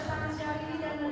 jadi tidak betul